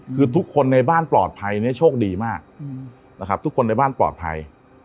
คือทุกคนในบ้านปลอดภัยเนี่ยโชคดีมากนะครับทุกคนในบ้านปลอดภัย